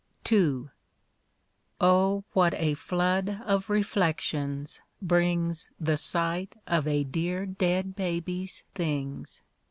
Oh, what a flood of reflections bring s The sight of a dear dead baby's things